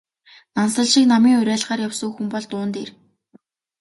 Нансал шиг намын уриалгаар явсан хүн бол дуун дээр...